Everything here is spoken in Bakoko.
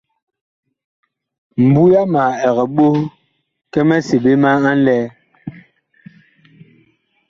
Mbu yama ɛg ɓoh ki miseɓe a nlɛɛ.